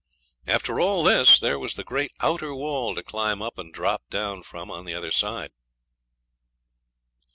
After all this there was the great outer wall to climb up and drop down from on the other side.